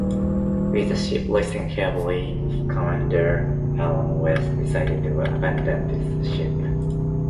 With the ship listing heavily, Commander Alan West decided to abandon the ship.